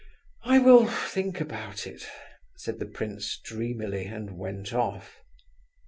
"I will think about it," said the prince dreamily, and went off.